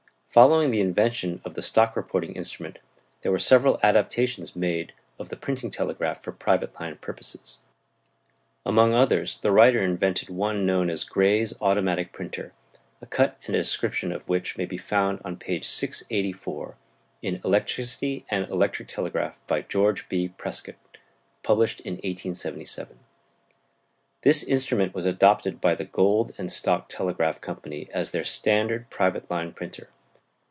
Following the invention of the stock reporting instrument there were several adaptations made of the printing telegraph for private line purposes. Among others the writer invented one known as "Gray's automatic printer," a cut and a description of which may be found on page 684 in "Electricity and Electric Telegraph," by George B. Prescott, published in 1877. This instrument was adopted by the Gold and Stock Telegraph Company as their standard private line printer.